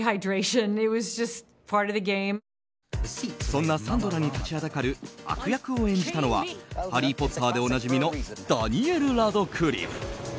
そんなサンドラに立ちはだかる悪役を演じたのはハリー・ポッターでおなじみのダニエル・ラドクリフ。